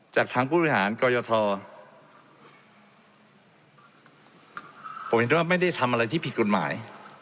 จากทางผู้บริหารกรยทผมเห็นว่าไม่ได้ทำอะไรที่ผิดกฎหมาย